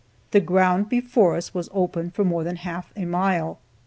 The ground before us was open for more than half a mile.